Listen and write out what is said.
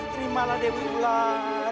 terimalah dewi ular